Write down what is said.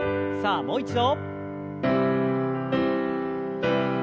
さあもう一度。